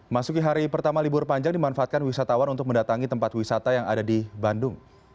masuki hari pertama libur panjang dimanfaatkan wisatawan untuk mendatangi tempat wisata yang ada di bandung